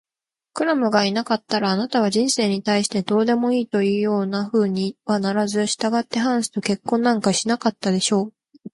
クラムがいなかったら、あなたは人生に対してどうでもいいというようなふうにはならず、したがってハンスと結婚なんかしなかったでしょう。